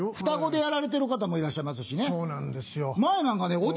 双子でやられてる方もいらっしゃいますしね。